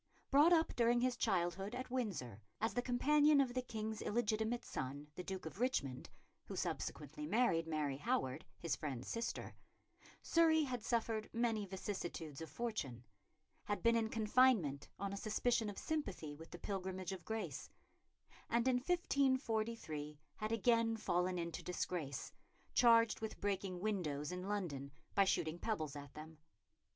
Brought up during his childhood at Windsor as the companion of the King's illegitimate son, the Duke of Richmond who subsequently married Mary Howard, his friend's sister Surrey had suffered many vicissitudes of fortune; had been in confinement on a suspicion of sympathy with the Pilgrimage of Grace; and in 1543 had again fallen into disgrace, charged with breaking windows in London by shooting pebbles at them.